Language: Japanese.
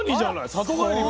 里帰りも？